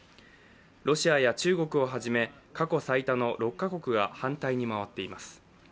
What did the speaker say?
ロシアや中国をはじめ過去最多の６か国が反対に回っています。